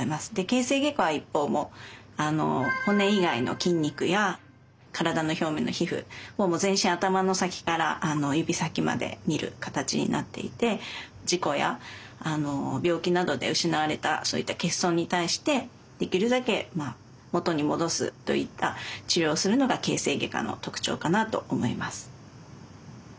形成外科は一方骨以外の筋肉や体の表面の皮膚ほぼ全身頭の先から指先まで診る形になっていて事故や病気などで失われたそういった欠損に対してできるだけ元に戻すといった治療をするのが形成外科の特徴かなと思います。